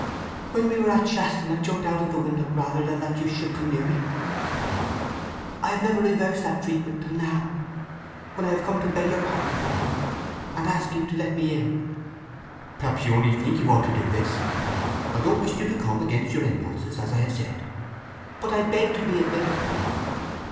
"When we were at Shaston I jumped out of the window rather than that you should come near me. I have never reversed that treatment till now—when I have come to beg your pardon for it, and ask you to let me in." "Perhaps you only think you ought to do this? I don't wish you to come against your impulses, as I have said." "But I beg to be admitted."